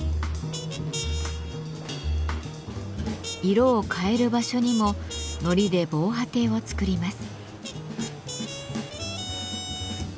色を変える場所にも糊で防波堤を作ります。